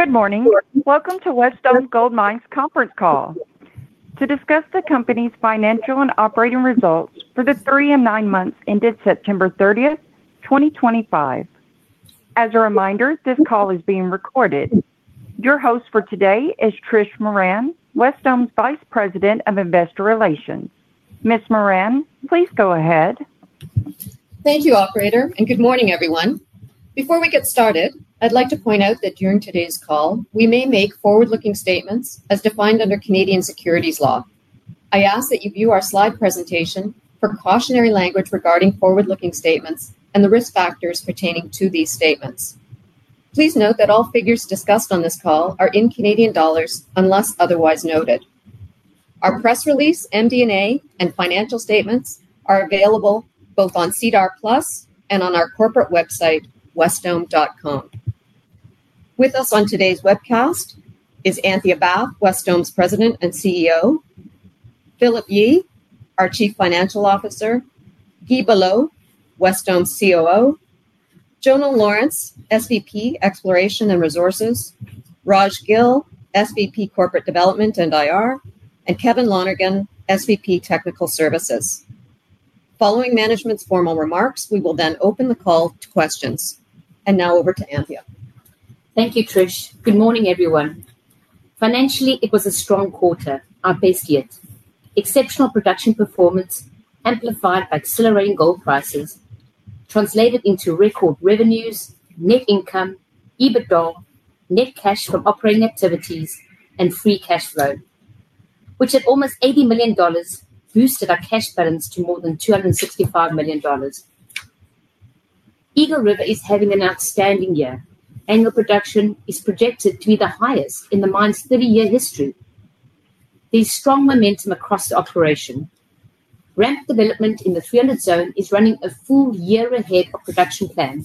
Good morning. Welcome to Wesdome Gold Mines' conference call to discuss the company's financial and operating results for the three and nine months ended September 30th, 2025. As a reminder, this call is being recorded. Your host for today is Trish Moran, Wesdome's Vice President of Investor Relations. Ms. Moran, please go ahead. Thank you, Operator, and good morning, everyone. Before we get started, I'd like to point out that during today's call, we may make forward-looking statements as defined under Canadian securities law. I ask that you view our slide presentation for cautionary language regarding forward-looking statements and the risk factors pertaining to these statements. Please note that all figures discussed on this call are in CAD unless otherwise noted. Our press release, MD&A, and financial statements are available both on SEDAR+ and on our corporate website, wesdome.com. With us on today's webcast is Anthea Bath, Wesdome's President and CEO, Philip Yee, our Chief Financial Officer, Guy Belleau, Wesdome's COO, Jono Lawrence, SVP, Exploration and Resources, Raj Gill, SVP, Corporate Development and IR, and Kevin Lonergan, SVP, Technical Services. Following management's formal remarks, we will then open the call to questions. Now over to Anthea. Thank you, Trish. Good morning, everyone. Financially, it was a strong quarter, our best yet. Exceptional production performance amplified by accelerating gold prices translated into record revenues, net income, EBITDA, net cash from operating activities, and free cash flow, which at almost $80 million boosted our cash balance to more than $265 million. Eagle River is having an outstanding year. Annual production is projected to be the highest in the mine's 30-year history. There is strong momentum across the operation. Ramp development in the 300 Zone is running a full year ahead of production plan,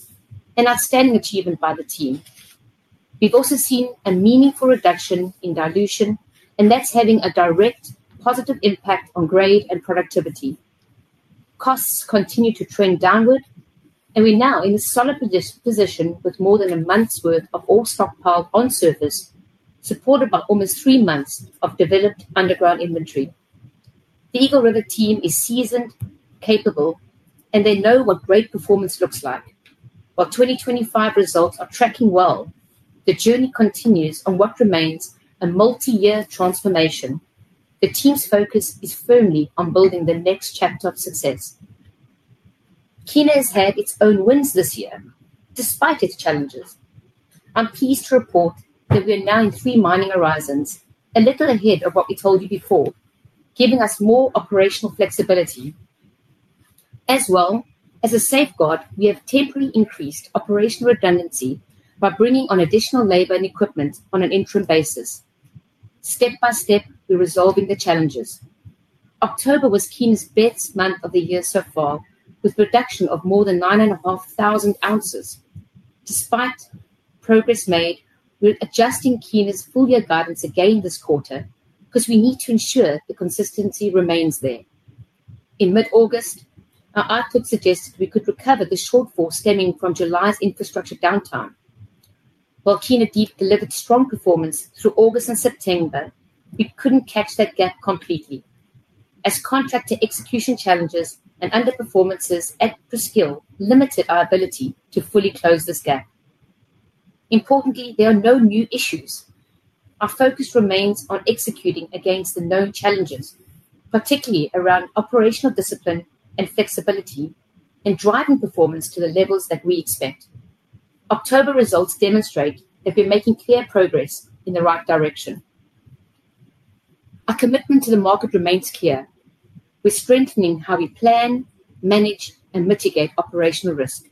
an outstanding achievement by the team. We have also seen a meaningful reduction in dilution, and that is having a direct positive impact on grade and productivity. Costs continue to trend downward, and we're now in a solid position with more than a month's worth of ore stockpiled on surface, supported by almost three months of developed underground inventory. The Eagle River team is seasoned, capable, and they know what great performance looks like. While 2025 results are tracking well, the journey continues on what remains a multi-year transformation. The team's focus is firmly on building the next chapter of success. Kiena has had its own wins this year, despite its challenges. I'm pleased to report that we are now in three mining horizons, a little ahead of what we told you before, giving us more operational flexibility. As well as a safeguard, we have temporarily increased operational redundancy by bringing on additional labor and equipment on an interim basis. Step by step, we're resolving the challenges. October was Kiena's best month of the year so far, with production of more than 9,500 ounces. Despite progress made, we're adjusting Kiena's full-year guidance again this quarter because we need to ensure the consistency remains there. In mid-August, our output suggested we could recover the shortfall stemming from July's infrastructure downtime. While Kiena Deep delivered strong performance through August and September, we could not catch that gap completely as contractor execution challenges and underperformances at Presqu'ile limited our ability to fully close this gap. Importantly, there are no new issues. Our focus remains on executing against the known challenges, particularly around operational discipline and flexibility in driving performance to the levels that we expect. October results demonstrate that we're making clear progress in the right direction. Our commitment to the market remains clear. We're strengthening how we plan, manage, and mitigate operational risk.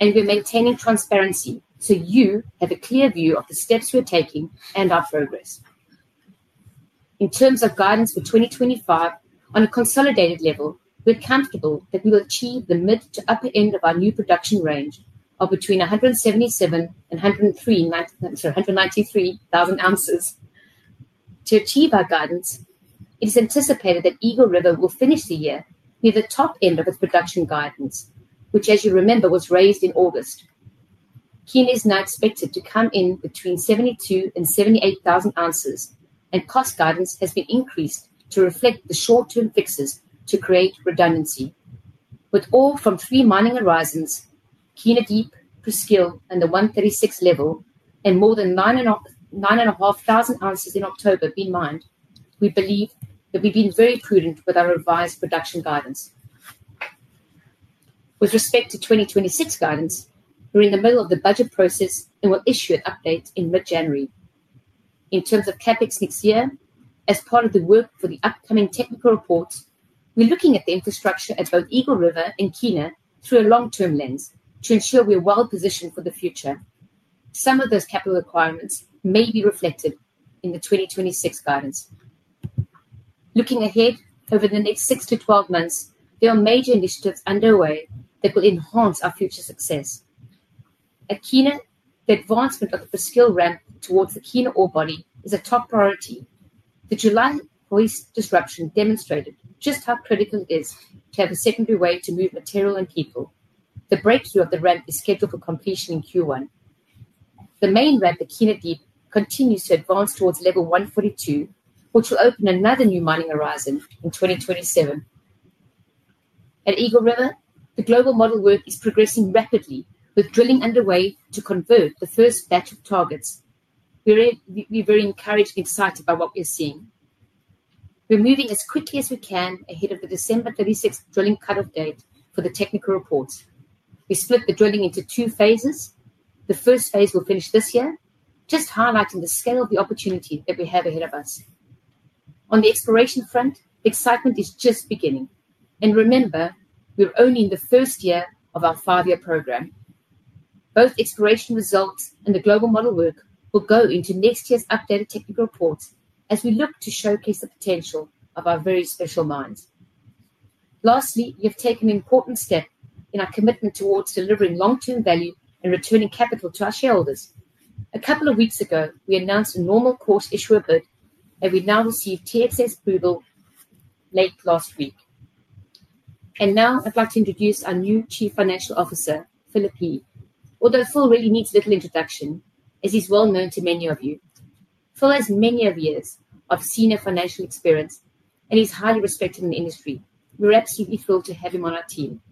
We are maintaining transparency so you have a clear view of the steps we are taking and our progress. In terms of guidance for 2025, on a consolidated level, we are comfortable that we will achieve the mid to upper end of our new production range of between 177,000 and 193,000 ounces. To achieve our guidance, it is anticipated that Eagle River will finish the year near the top end of its production guidance, which, as you remember, was raised in August. Kiena is now expected to come in between 72,000 and 78,000 ounces, and cost guidance has been increased to reflect the short-term fixes to create redundancy. With ore from three mining horizons, Kiena Deep, Presqu'ile, and the 136 level, and more than 9,500 ounces in October being mined, we believe that we have been very prudent with our revised production guidance. With respect to 2026 guidance, we're in the middle of the budget process and will issue an update in mid-January. In terms of CapEx next year, as part of the work for the upcoming technical reports, we're looking at the infrastructure at both Eagle River and Kiena through a long-term lens to ensure we're well positioned for the future. Some of those capital requirements may be reflected in the 2026 guidance. Looking ahead over the next 6-12 months, there are major initiatives underway that will enhance our future success. At Kiena, the advancement of the Presqu'ile ramp towards the Kiena orebody is a top priority. The July hoist disruption demonstrated just how critical it is to have a secondary way to move material and people. The breakthrough of the ramp is scheduled for completion in Q1. The main ramp at Kiena Deep continues to advance towards Level 142, which will open another new mining horizon in 2027. At Eagle River, the global model work is progressing rapidly, with drilling underway to convert the first batch of targets. We're very encouraged and excited by what we're seeing. We're moving as quickly as we can ahead of the December 26 drilling cutoff date for the technical reports. We split the drilling into two phases. The first phase will finish this year, just highlighting the scale of the opportunity that we have ahead of us. On the exploration front, excitement is just beginning. Remember, we're only in the first year of our five-year program. Both exploration results and the global model work will go into next year's updated technical reports as we look to showcase the potential of our very special mines. Lastly, we have taken an important step in our commitment towards delivering long-term value and returning capital to our shareholders. A couple of weeks ago, we announced a normal course issuer bid, and we now received TSX approval late last week. Now I'd like to introduce our new Chief Financial Officer, Philip Yee, although Phil really needs little introduction as he's well known to many of you. Phil has many years of senior financial experience, and he's highly respected in the industry. We're absolutely thrilled to have him on our team.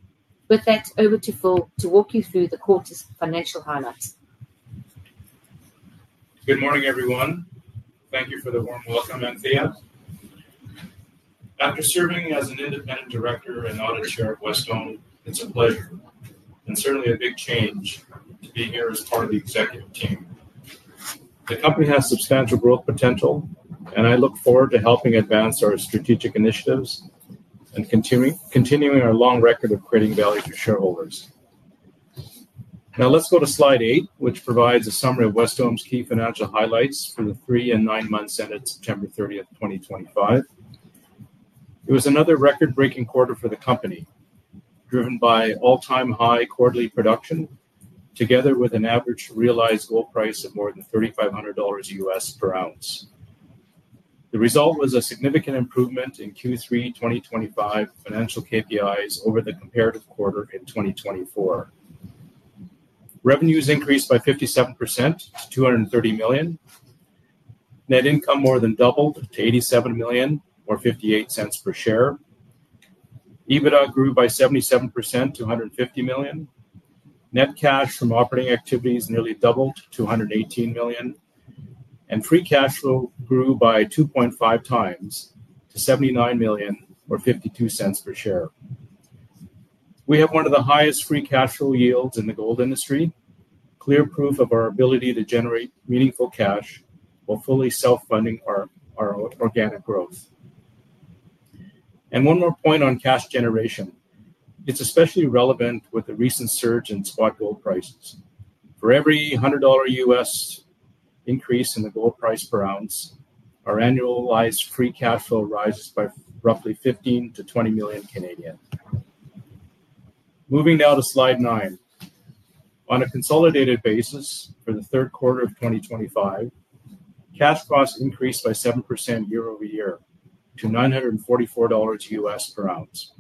With that, over to Phil to walk you through the quarter's financial highlights. Good morning, everyone. Thank you for the warm welcome, Anthea. After serving as an independent director and Audit Chair at Wesdome, it's a pleasure and certainly a big change to be here as part of the executive team. The company has substantial growth potential, and I look forward to helping advance our strategic initiatives and continuing our long record of creating value for shareholders. Now let's go to slide 8, which provides a summary of Wesdome's key financial highlights for the three and nine months ended September 30th, 2025. It was another record-breaking quarter for the company, driven by all-time high quarterly production, together with an average realized gold price of more than $3,500 per ounce. The result was a significant improvement in Q3 2025 financial KPIs over the comparative quarter in 2024. Revenues increased by 57% to 230 million. Net income more than doubled to 87.58 per share. EBITDA grew by 77% to $150 million. Net cash from operating activities nearly doubled to $118 million. Free cash flow grew by 2.5x to CAD 79.52 per share. We have one of the highest free cash flow yields in the gold industry, clear proof of our ability to generate meaningful cash while fully self-funding our organic growth. One more point on cash generation. It is especially relevant with the recent surge in spot gold prices. For every $100 U.S. increase in the gold price per ounce, our annualized free cash flow rises by roughly 15 million-20 million. Moving now to slide 9. On a consolidated basis for the third quarter of 2025, cash costs increased by 7% year-over-year to $944 U.S. per ounce,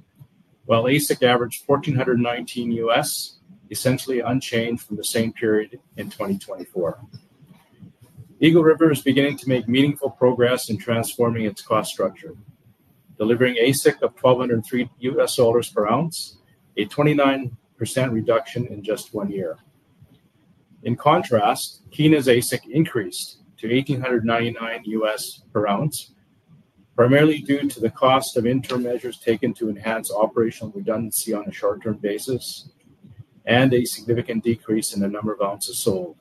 while AISC averaged $1,419 U.S., essentially unchanged from the same period in 2024. Eagle River is beginning to make meaningful progress in transforming its cost structure, delivering AISC of $1,203 US per ounce, a 29% reduction in just one year. In contrast, Kiena's AISC increased to $1,899 US per ounce, primarily due to the cost of interim measures taken to enhance operational redundancy on a short-term basis and a significant decrease in the number of ounces sold.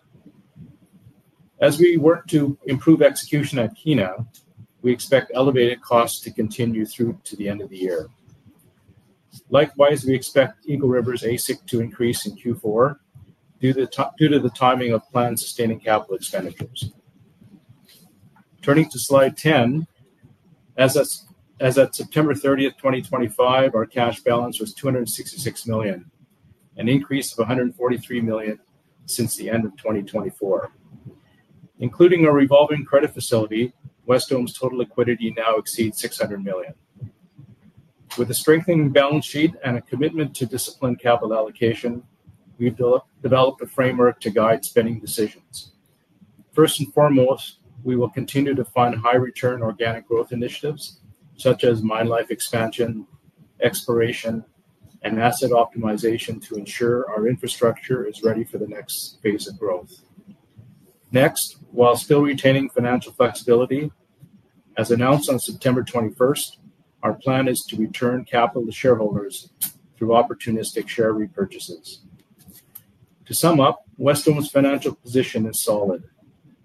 As we work to improve execution at Kiena, we expect elevated costs to continue through to the end of the year. Likewise, we expect Eagle River's AISC to increase in Q4 due to the timing of planned sustaining capital expenditures. Turning to slide 10. As at September 30th, 2025, our cash balance was 266 million, an increase of 143 million since the end of 2024. Including our revolving credit facility, Wesdome's total liquidity now exceeds 600 million. With a strengthening balance sheet and a commitment to disciplined capital allocation, we've developed a framework to guide spending decisions. First and foremost, we will continue to fund high-return organic growth initiatives such as mine life expansion, exploration, and asset optimization to ensure our infrastructure is ready for the next phase of growth. Next, while still retaining financial flexibility, as announced on September 21st, our plan is to return capital to shareholders through opportunistic share repurchases. To sum up, Wesdome's financial position is solid.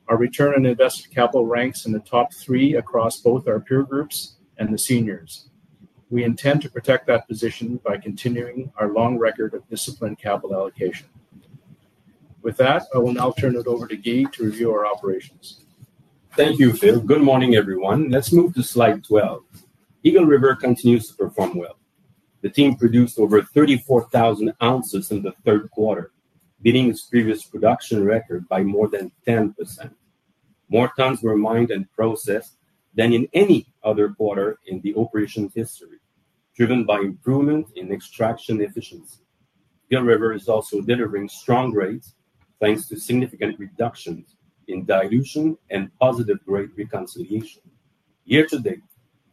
Our return on invested capital ranks in the top three across both our peer groups and the seniors. We intend to protect that position by continuing our long record of disciplined capital allocation. With that, I will now turn it over to Guy to review our operations. Thank you, Phil. Good morning, everyone. Let's move to slide 12. Eagle River continues to perform well. The team produced over 34,000 ounces in the third quarter, beating its previous production record by more than 10%. More tons were mined and processed than in any other quarter in the operation history, driven by improvement in extraction efficiency. Eagle River is also delivering strong grades, thanks to significant reductions in dilution and positive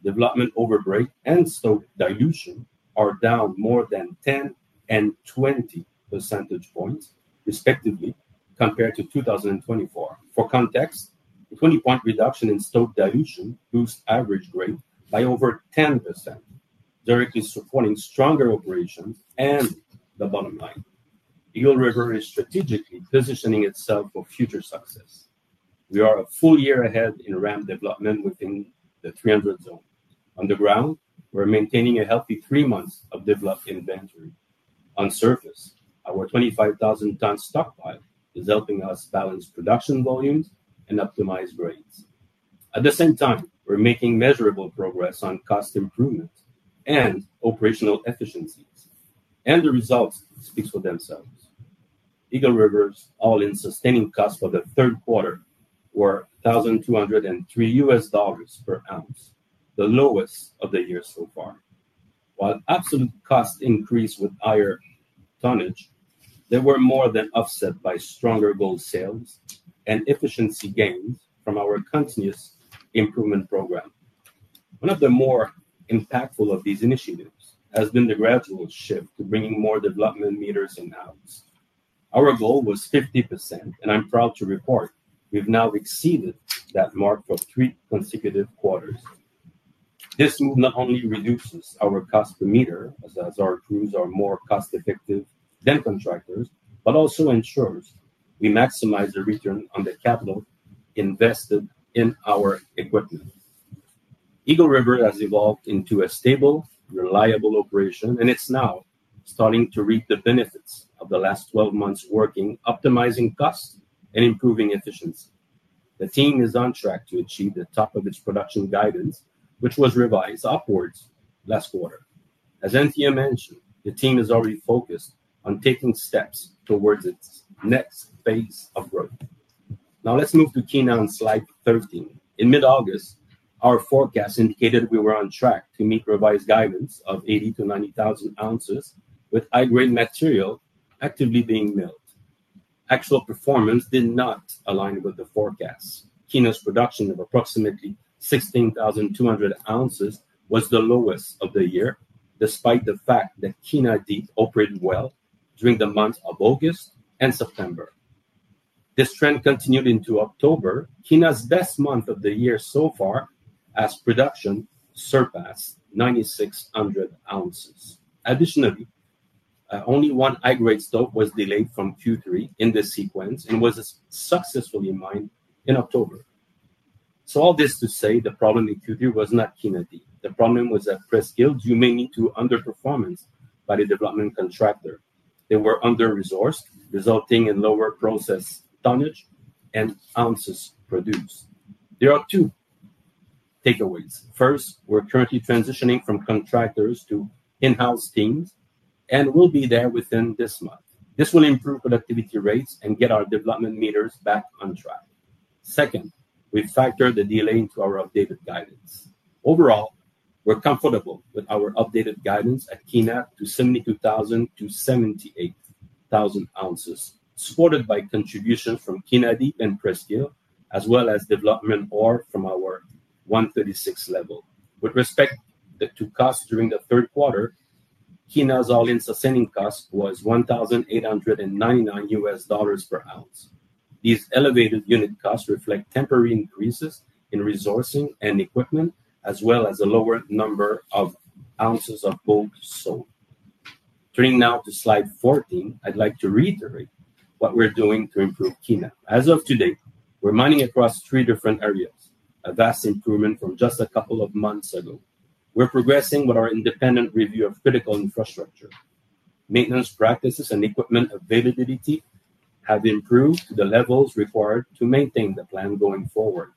grade reconciliation. Year-to-date, development overbreak and stope dilution are down more than 10 and 20 percentage points, respectively, compared to 2024. For context, a 20-point reduction in stope dilution boosts average grade by over 10%, directly supporting stronger operations and the bottom line. Eagle River is strategically positioning itself for future success. We are a full year ahead in ramp development within the 300 Zone. On the ground, we're maintaining a healthy three months of developed inventory. On surface, our 25,000-ton stockpile is helping us balance production volumes and optimize grades. At the same time, we are making measurable progress on cost improvement and operational efficiencies. The results speak for themselves. Eagle River's all-in sustaining costs for the third quarter were $1,203 US per ounce, the lowest of the year so far. While absolute costs increased with higher tonnage, they were more than offset by stronger gold sales and efficiency gains from our continuous improvement program. One of the more impactful of these initiatives has been the gradual shift to bringing more development meters in-house. Our goal was 50%, and I am proud to report we have now exceeded that mark for three consecutive quarters. This move not only reduces our cost per meter as our crews are more cost-effective than contractors, but also ensures we maximize the return on the capital invested in our equipment. Eagle River has evolved into a stable, reliable operation, and it's now starting to reap the benefits of the last 12 months working, optimizing costs and improving efficiency. The team is on track to achieve the top of its production guidance, which was revised upwards last quarter. As Anthea mentioned, the team is already focused on taking steps towards its next phase of growth. Now let's move to Kiena on slide 13. In mid-August, our forecast indicated we were on track to meet revised guidance of 80,000-90,000 ounces with high-grade material actively being milled. Actual performance did not align with the forecast. Kiena's production of approximately 16,200 ounces was the lowest of the year, despite the fact that Kiena Deep operated well during the months of August and September. This trend continued into October, Kiena's best month of the year so far as production surpassed 9,600 ounces. Additionally, only one high-grade stope was delayed from Q3 in this sequence and was successfully mined in October. All this to say, the problem in Q3 was not Kiena Deep. The problem was at Presqu'ile, due mainly to underperformance by the development contractor. They were under-resourced, resulting in lower process tonnage and ounces produced. There are two takeaways. First, we're currently transitioning from contractors to in-house teams and will be there within this month. This will improve productivity rates and get our development meters back on track. Second, we factor the delay into our updated guidance. Overall, we're comfortable with our updated guidance at Kiena to 72,000-78,000 ounces, supported by contributions from Kiena Deep and Presqu'ile, as well as development ore from our 136 level. With respect to costs during the third quarter, Kiena's all-in sustaining cost was $1,899 US per ounce. These elevated unit costs reflect temporary increases in resourcing and equipment, as well as a lower number of ounces of gold sold. Turning now to slide 14, I'd like to reiterate what we're doing to improve Kiena. As of today, we're mining across three different areas, a vast improvement from just a couple of months ago. We're progressing with our independent review of critical infrastructure. Maintenance practices and equipment availability have improved to the levels required to maintain the plan going forward.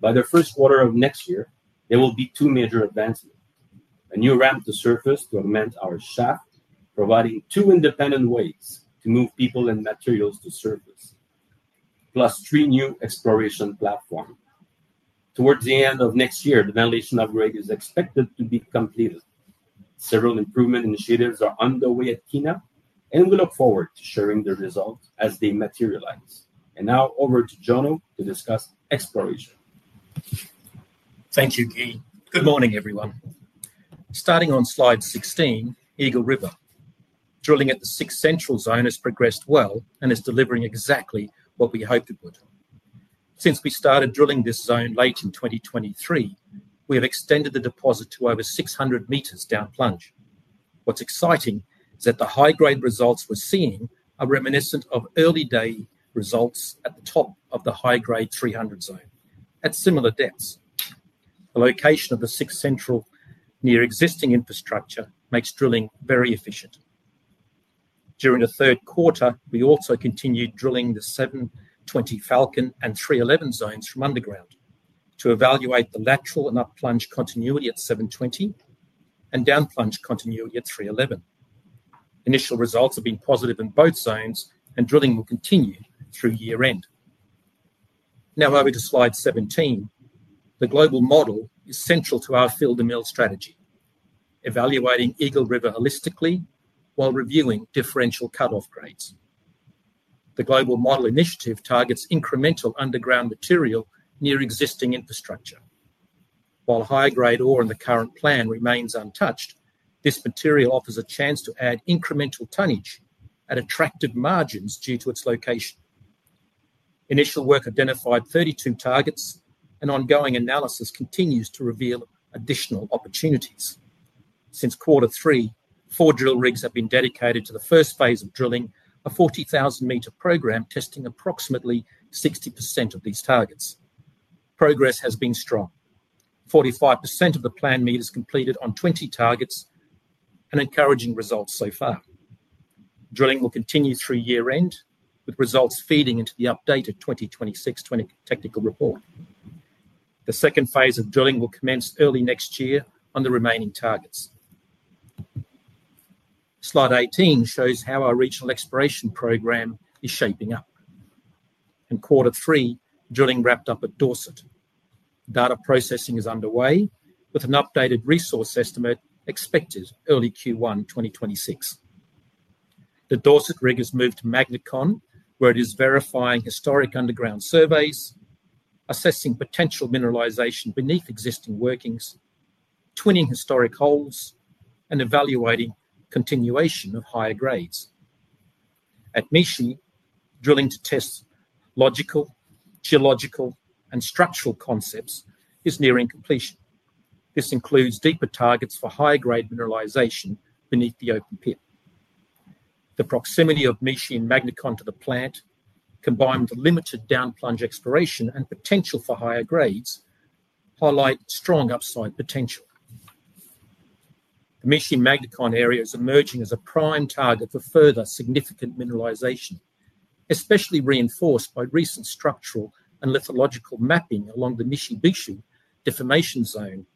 By the first quarter of next year, there will be two major advancements. A new ramp to surface to augment our shaft, providing two independent ways to move people and materials to surface. Plus three new exploration platforms. Towards the end of next year, the ventilation upgrade is expected to be completed. Several improvement initiatives are underway at Kiena, and we look forward to sharing the results as they materialize. Now over to Jono to discuss exploration. Thank you, Guy. Good morning, everyone. Starting on slide 16, Eagle River. Drilling at the Sixth Central Zone has progressed well and is delivering exactly what we hoped it would. Since we started drilling this zone late in 2023, we have extended the deposit to over 600 m down plunge. What's exciting is that the high-grade results we're seeing are reminiscent of early-day results at the top of the high-grade 300 Zone at similar depths. The location of the Sixth Central near existing infrastructure makes drilling very efficient. During the third quarter, we also continued drilling the 720 Falcon and 311 zones from underground to evaluate the lateral and up-plunge continuity at 720 and down-plunge continuity at 311. Initial results have been positive in both zones, and drilling will continue through year-end. Now over to slide 17. The global model is central to our fill-the-mill strategy, evaluating Eagle River holistically while reviewing differential cutoff grades. The global model initiative targets incremental underground material near existing infrastructure. While high-grade ore in the current plan remains untouched, this material offers a chance to add incremental tonnage at attractive margins due to its location. Initial work identified 32 targets, and ongoing analysis continues to reveal additional opportunities. Since quarter three, four drill rigs have been dedicated to the first phase of drilling, a 40,000 m program testing approximately 60% of these targets. Progress has been strong. 45% of the planned meters completed on 20 targets and encouraging results so far. Drilling will continue through year-end, with results feeding into the updated 2026 technical report. The second phase of drilling will commence early next year on the remaining targets. Slide 18 shows how our regional exploration program is shaping up. In quarter three, drilling wrapped up at Dorset. Data processing is underway, with an updated resource estimate expected early Q1 2026. The Dorset rig has moved to Magnecon, where it is verifying historic underground surveys, assessing potential mineralization beneath existing workings, twinning historic holes, and evaluating continuation of higher grades. At Mishi, drilling to test logical, geological, and structural concepts is nearing completion. This includes deeper targets for high-grade mineralization beneath the open pit. The proximity of Mishi and Magnecon to the plant, combined with the limited down-plunge exploration and potential for higher grades, highlights strong upside potential. The Mishi-Magnecon area is emerging as a prime target for further significant mineralization, especially reinforced by recent structural and lithological mapping along the Mishi-Bishu Deformation Zone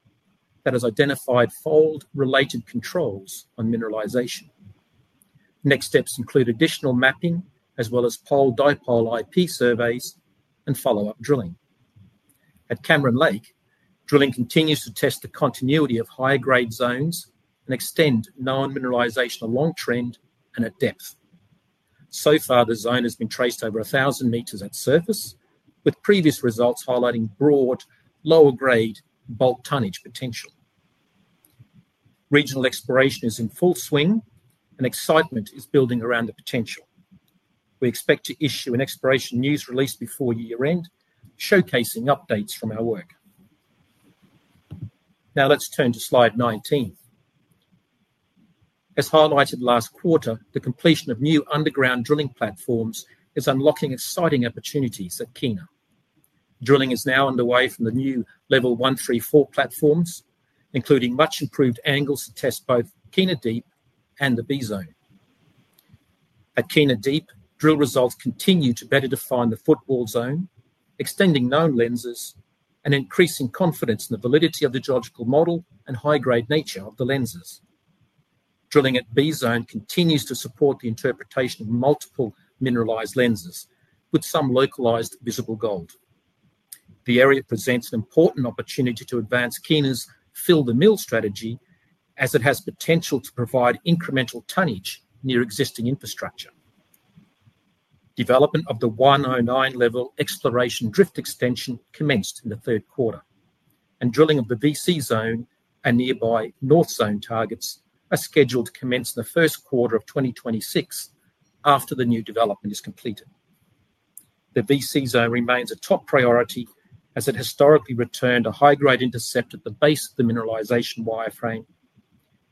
that has identified fold-related controls on mineralization. Next steps include additional mapping, as well as pole-dipole IP surveys and follow-up drilling. At Cameron Lake, drilling continues to test the continuity of higher-grade zones and extend non-mineralization along trend and at depth. So far, the zone has been traced over 1,000 m at surface, with previous results highlighting broad lower-grade bulk tonnage potential. Regional exploration is in full swing, and excitement is building around the potential. We expect to issue an exploration news release before year-end, showcasing updates from our work. Now let's turn to slide 19. As highlighted last quarter, the completion of new underground drilling platforms is unlocking exciting opportunities at Kiena. Drilling is now underway from the new Level 134 platforms, including much improved angles to test both Kiena Deep and the B Zone. At Kiena Deep, drill results continue to better define the footwall zone, extending known lenses, and increasing confidence in the validity of the geological model and high-grade nature of the lenses. Drilling at B Zone continues to support the interpretation of multiple mineralized lenses, with some localized visible gold. The area presents an important opportunity to advance Kiena's fill-the-mill strategy, as it has potential to provide incremental tonnage near existing infrastructure. Development of the Level 109 exploration drift extension commenced in the third quarter, and drilling of the VC Zone and nearby North Zone targets are scheduled to commence in the first quarter of 2026 after the new development is completed. The VC Zone remains a top priority as it historically returned a high-grade intercept at the base of the mineralization wireframe.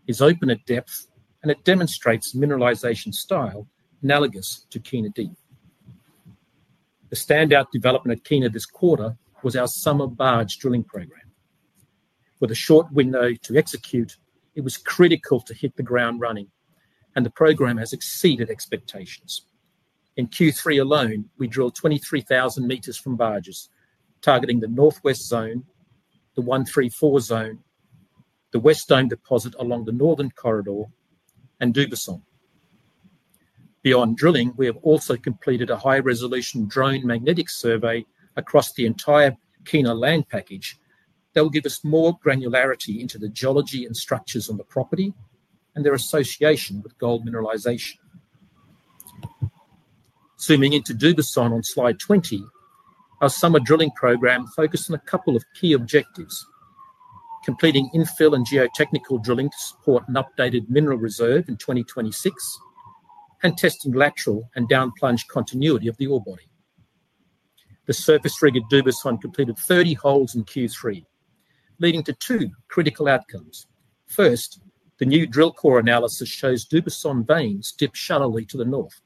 It is open at depth, and it demonstrates mineralization style analogous to Kiena Deep. The standout development at Kiena this quarter was our summer barge drilling program. With a short window to execute, it was critical to hit the ground running, and the program has exceeded expectations. In Q3 alone, we drilled 23,000 m from barges, targeting the northwest zone, the 134 Zone, the west zone deposit along the northern corridor, and Dubai Zone. Beyond drilling, we have also completed a high-resolution drone magnetic survey across the entire Kiena land package that will give us more granularity into the geology and structures on the property and their association with gold mineralization. Zooming into Dubai Zone on slide 20, our summer drilling program focused on a couple of key objectives. Completing infill and geotechnical drilling to support an updated mineral reserve in 2026. Testing lateral and down-plunge continuity of the orebody. The surface rig at Dubai Zone completed 30 holes in Q3, leading to two critical outcomes. First, the new drill core analysis shows Dubai Zone veins dip shallowly to the north.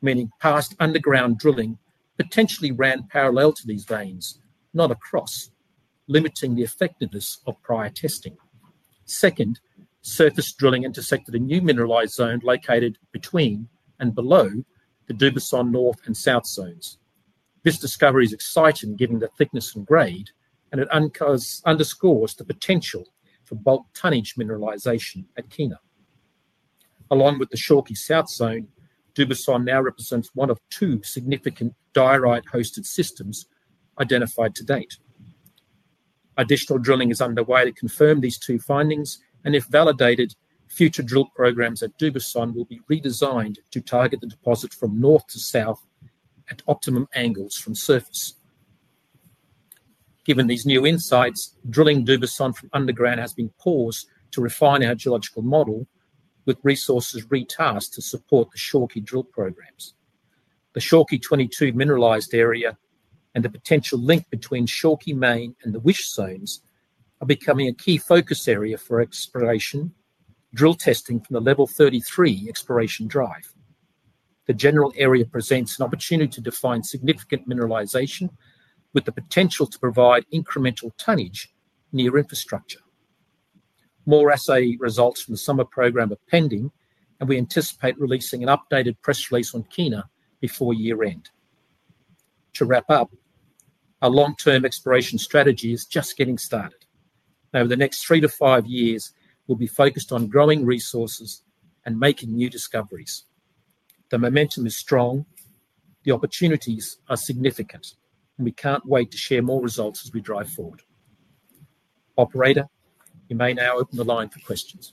Meaning past underground drilling potentially ran parallel to these veins, not across, limiting the effectiveness of prior testing. Second, surface drilling intersected a new mineralized zone located between and below the Dubai Zone north and south zones. This discovery is exciting, given the thickness and grade, and it underscores the potential for bulk tonnage mineralization at Kiena. Along with the Shorkey south zone, Dubai Zone now represents one of two significant diorite-hosted systems identified to date. Additional drilling is underway to confirm these two findings, and if validated, future drill programs at Dubai Zone will be redesigned to target the deposit from north to south at optimum angles from surface. Given these new insights, drilling Dubai Zone from underground has been paused to refine our geological model, with resources retasked to support the Shorkey drill programs. The Shorkey 22 mineralized area and the potential link between Shorkey main and the Wish zones are becoming a key focus area for exploration drill testing from the Level 33 exploration drive. The general area presents an opportunity to define significant mineralization with the potential to provide incremental tonnage near infrastructure. More assay results from the summer program are pending, and we anticipate releasing an updated press release on Kiena before year-end. To wrap up. Our long-term exploration strategy is just getting started. Over the next three to five years, we'll be focused on growing resources and making new discoveries. The momentum is strong. The opportunities are significant, and we can't wait to share more results as we drive forward. Operator, you may now open the line for questions.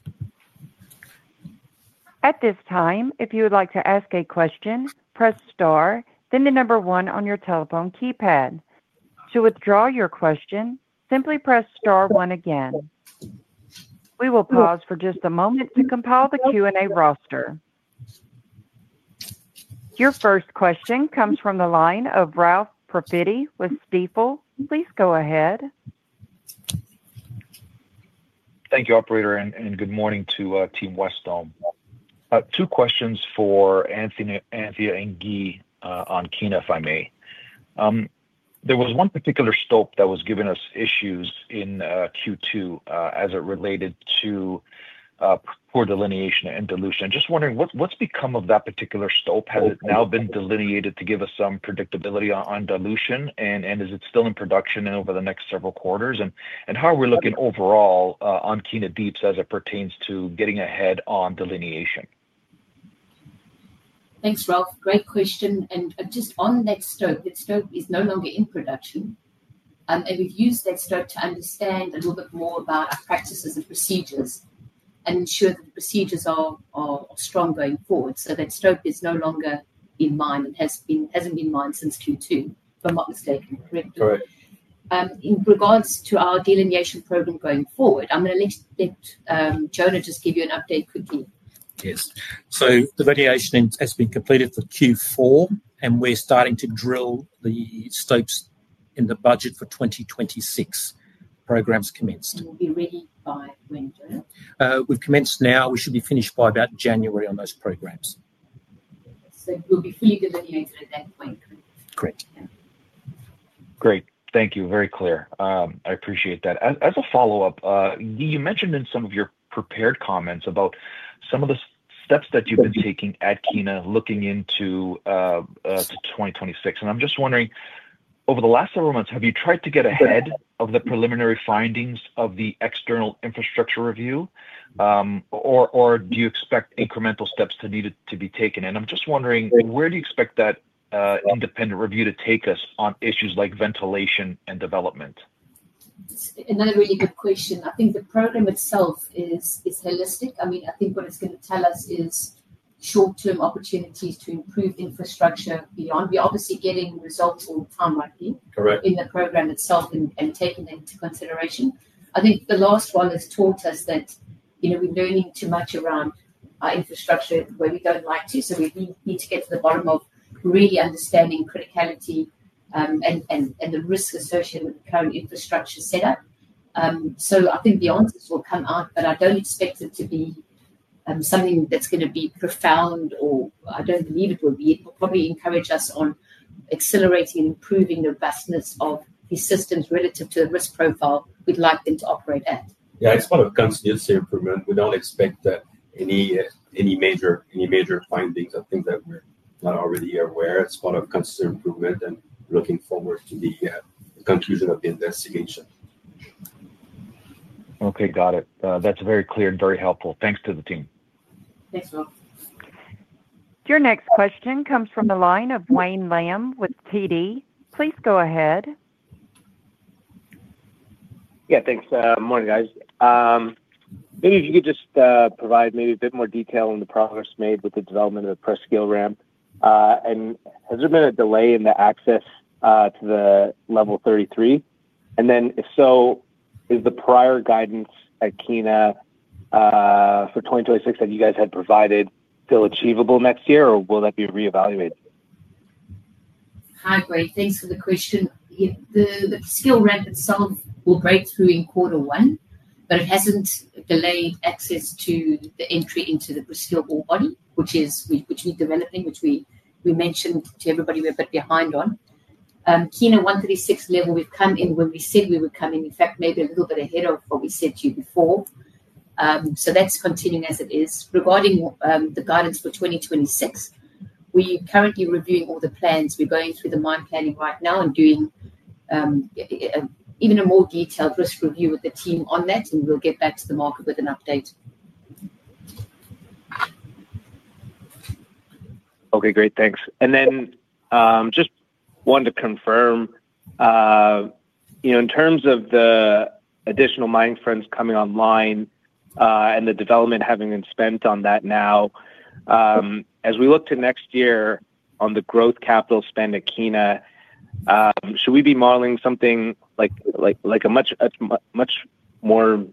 At this time, if you would like to ask a question, press star, then the number one on your telephone keypad. To withdraw your question, simply press star one again. We will pause for just a moment to compile the Q&A roster. Your first question comes from the line of Ralph Profiti with Stifel. Please go ahead. Thank you, Operator, and good morning to Team Wesdome. Two questions for Anthea and Guy on Kiena, if I may. There was one particular stope that was giving us issues in Q2 as it related to poor delineation and dilution. Just wondering, what's become of that particular stope? Has it now been delineated to give us some predictability on dilution, and is it still in production over the next several quarters? How are we looking overall on Kiena Deep as it pertains to getting ahead on delineation? Thanks, Ralph. Great question. Just on that stope, that stope is no longer in production. We have used that stope to understand a little bit more about our practices and procedures and ensure that the procedures are strong going forward. That stope is no longer in mine and has not been in mine since Q2, if I am not mistaken. Correct. In regards to our delineation program going forward, I'm going to let Jono just give you an update quickly. Yes. The variation has been completed for Q4, and we're starting to drill the stopes in the budget for 2026. Programs commenced. We'll be ready by when? We've commenced now. We should be finished by about January on those programs. We'll be fully delineated at that point? Correct. Great. Thank you. Very clear. I appreciate that. As a follow-up, you mentioned in some of your prepared comments about some of the steps that you've been taking at Kiena looking into 2026. I'm just wondering, over the last several months, have you tried to get ahead of the preliminary findings of the external infrastructure review? Do you expect incremental steps to need to be taken? I'm just wondering, where do you expect that independent review to take us on issues like ventilation and development? Another really good question. I think the program itself is holistic. I mean, I think what it's going to tell us is short-term opportunities to improve infrastructure beyond. We're obviously getting results all the time, aren't we? Correct. In the program itself and taking them into consideration. I think the last one has taught us that we're learning too much around our infrastructure where we don't like to. We need to get to the bottom of really understanding criticality. And the risk associated with the current infrastructure setup. I think the answers will come out, but I don't expect it to be something that's going to be profound, or I don't believe it will be. It will probably encourage us on accelerating and improving the robustness of these systems relative to the risk profile we'd like them to operate at. Yeah, it's part of continuous improvement. We don't expect any major findings or things that we're not already aware of. It's part of continuous improvement and looking forward to the conclusion of the investigation. Okay, got it. That's very clear and very helpful. Thanks to the team. Thanks, Ralph. Your next question comes from the line of Wayne Lam with TD. Please go ahead. Yeah, thanks. Morning, guys. Maybe if you could just provide maybe a bit more detail on the progress made with the development of the Presqu'ile ramp. Has there been a delay in the access to Level 33? If so, is the prior guidance at Kiena for 2026 that you guys had provided still achievable next year, or will that be reevaluated? Hi, Wayne. Thanks for the question. The Presqu'ile ramp itself will break through in quarter one, but it hasn't delayed access to the entry into the Presqu'ile orebody, which we're developing, which we mentioned to everybody we're a bit behind on. Kiena 136 level, we've come in when we said we would come in. In fact, maybe a little bit ahead of what we said to you before. That's continuing as it is. Regarding the guidance for 2026, we are currently reviewing all the plans. We're going through the mine planning right now and doing even a more detailed risk review with the team on that, and we'll get back to the market with an update. Okay, great. Thanks. Just wanted to confirm. In terms of the additional mine funds coming online. The development having been spent on that now. As we look to next year on the growth capital spend at Kiena. Should we be modeling something like a much, much more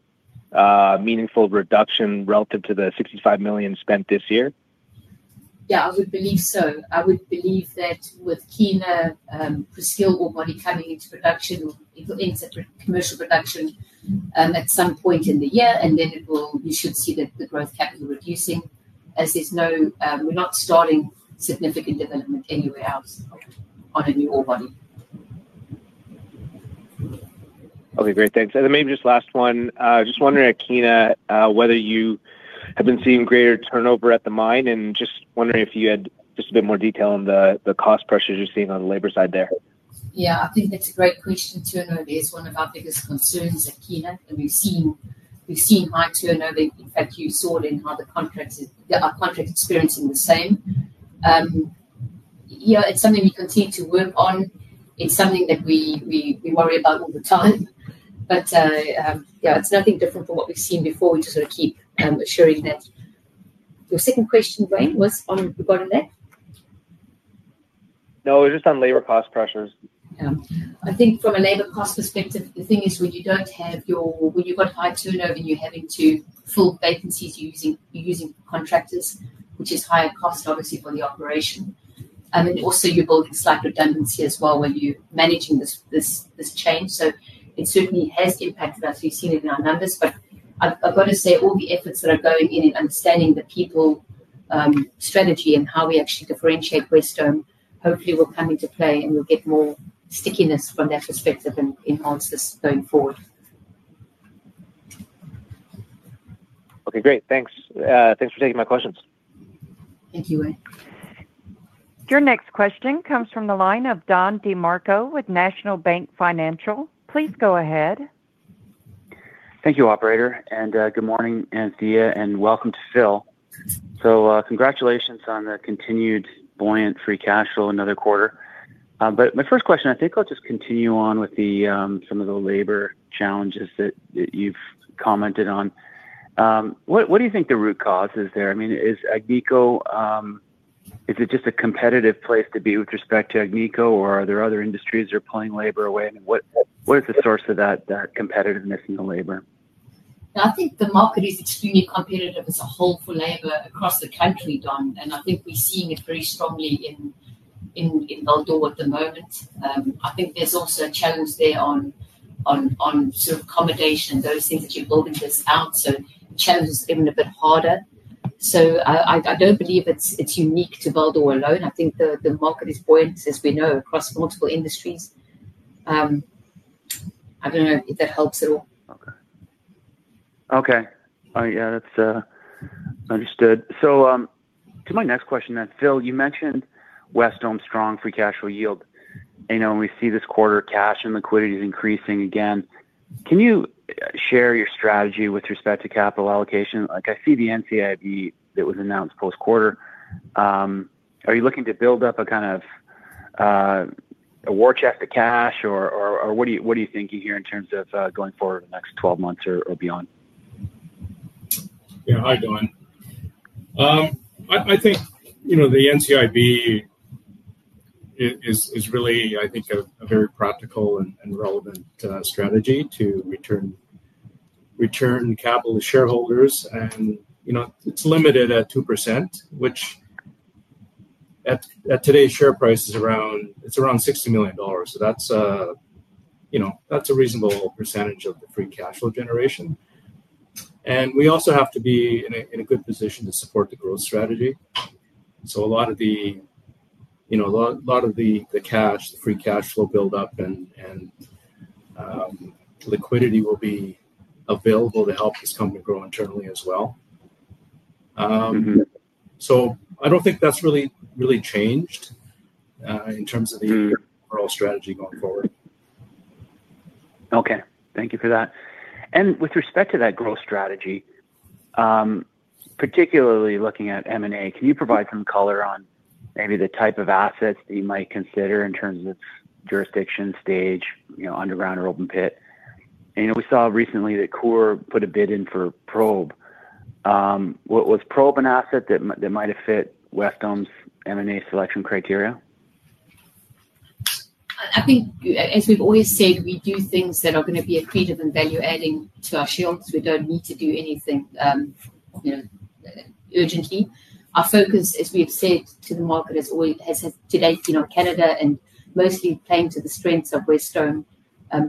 meaningful reduction relative to the 65 million spent this year? Yeah, I would believe so. I would believe that with Kiena Presqu'ile orebody coming into production, commercial production at some point in the year, and then we should see the growth capital reducing as there's no—we're not starting significant development anywhere else on a new orebody. Okay, great. Thanks. Maybe just last one. Just wondering at Kiena whether you have been seeing greater turnover at the mine, and just wondering if you had just a bit more detail on the cost pressures you're seeing on the labor side there. Yeah, I think that's a great question, too. I know it is one of our biggest concerns at Kiena, and we've seen high turnover. In fact, you saw it in other contracts. Our contract experiencing the same. Yeah, it's something we continue to work on. It's something that we worry about all the time. Yeah, it's nothing different from what we've seen before. We just want to keep assuring that. Your second question, Wayne, was on regarding that? No, it was just on labor cost pressures. Yeah. I think from a labor cost perspective, the thing is when you do not have your—when you have got high turnover and you are having to fill vacancies, you are using contractors, which is higher cost, obviously, for the operation. Also, you are building slight redundancy as well when you are managing this change. It certainly has impacted us. We have seen it in our numbers. I have got to say, all the efforts that are going in and understanding the people strategy and how we actually differentiate Wesdome, hopefully, will come into play and we will get more stickiness from that perspective and enhance this going forward. Okay, great. Thanks. Thanks for taking my questions. Thank you, Wayne. Your next question comes from the line of Don DeMarco with National Bank Financial. Please go ahead. Thank you, Operator. Good morning, Anthea, and welcome to Phil. Congratulations on the continued buoyant free cash flow another quarter. My first question, I think I'll just continue on with some of the labor challenges that you've commented on. What do you think the root cause is there? I mean, is Agnico—is it just a competitive place to be with respect to Agnico, or are there other industries that are pulling labor away? I mean, what is the source of that competitiveness in the labor? I think the market is extremely competitive as a whole for labor across the country, Don. I think we're seeing it very strongly in Val-d'Or at the moment. I think there's also a challenge there on sort of accommodation, those things that you're building this out. Challenges are getting a bit harder. I don't believe it's unique to Val-d'Or alone. I think the market is buoyant, as we know, across multiple industries. I don't know if that helps at all. Okay. Okay. All right. Yeah, that's understood. So to my next question then, Phil, you mentioned Wesdome's strong free cash flow yield. And we see this quarter cash and liquidity is increasing again. Can you share your strategy with respect to capital allocation? I see the NCIB that was announced post-quarter. Are you looking to build up a kind of war chest of cash, or what are you thinking here in terms of going forward in the next 12 months or beyond? Yeah. Hi, Don. I think the NCIB is really, I think, a very practical and relevant strategy to return capital to shareholders. And it's limited at 2%, which at today's share price, it's around 60 million dollars. That's a reasonable percentage of the free cash flow generation. We also have to be in a good position to support the growth strategy. A lot of the cash, the free cash flow buildup, and liquidity will be available to help this company grow internally as well. I don't think that's really changed in terms of the overall strategy going forward. Okay. Thank you for that. With respect to that growth strategy, particularly looking at M&A, can you provide some color on maybe the type of assets that you might consider in terms of jurisdiction, stage, underground, or open pit? We saw recently that Core put a bid in for Probe. Was Probe an asset that might have fit Wesdome's M&A selection criteria? I think, as we've always said, we do things that are going to be accretive and value-adding to our shareholders. We don't need to do anything urgently. Our focus, as we've said to the market, has had today Canada, and mostly playing to the strengths of Wesdome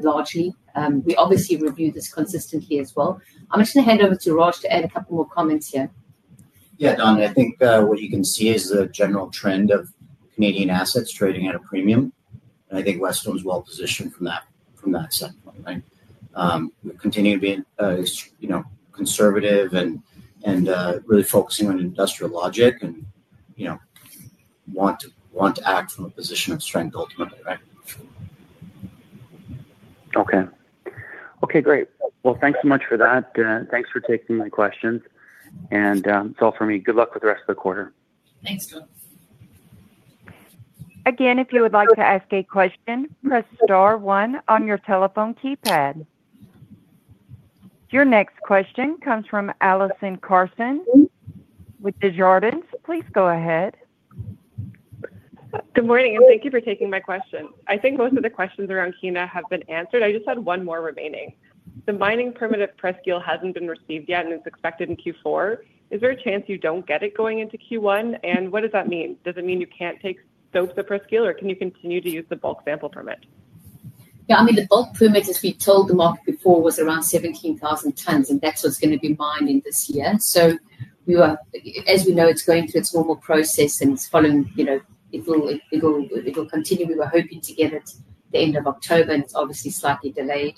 largely. We obviously review this consistently as well. I'm just going to hand over to Raj to add a couple more comments here. Yeah, Don. I think what you can see is the general trend of Canadian assets trading at a premium. I think Wesdome is well positioned from that standpoint, right? We continue to be conservative and really focusing on industrial logic and want to act from a position of strength, ultimately, right? Okay. Okay, great. Thanks so much for that. Thanks for taking my questions. That's all for me. Good luck with the rest of the quarter. Thanks, Don. Again, if you would like to ask a question, press star one on your telephone keypad. Your next question comes from Allison Carson with Desjardins. Please go ahead. Good morning, and thank you for taking my question. I think most of the questions around Kiena have been answered. I just had one more remaining. The mining permit at Presqu'ile has not been received yet, and it is expected in Q4. Is there a chance you do not get it going into Q1? What does that mean? Does it mean you cannot take stope to Presqu'ile, or can you continue to use the bulk sample permit? Yeah. I mean, the bulk permit, as we told the market before, was around 17,000 tons, and that's what's going to be mined in this year. As we know, it's going through its normal process, and it's following. It will continue. We were hoping to get it the end of October, and it's obviously slightly delayed.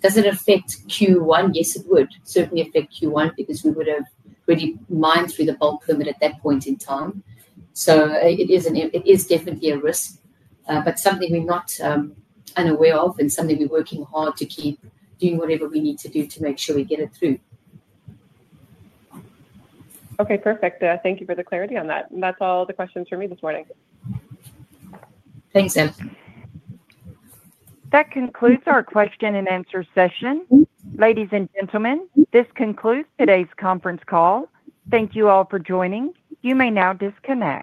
Does it affect Q1? Yes, it would. Certainly affect Q1 because we would have already mined through the bulk permit at that point in time. It is definitely a risk, but something we're not unaware of and something we're working hard to keep doing whatever we need to do to make sure we get it through. Okay, perfect. Thank you for the clarity on that. That is all the questions for me this morning. Thanks, All. That concludes our question and answer session. Ladies and gentlemen, this concludes today's conference call. Thank you all for joining. You may now disconnect.